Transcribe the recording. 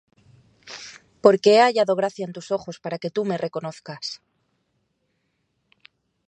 ¿Por qué he hallado gracia en tus ojos para que tú me reconozcas?